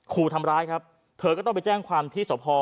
ขู่ทำร้ายครับเธอก็ต้องไปแจ้งความที่สภ